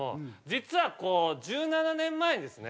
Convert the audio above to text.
実は１７年前にですね。